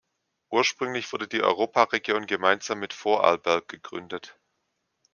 Ursprünglich wurde die Europaregion gemeinsam mit Vorarlberg gegründet.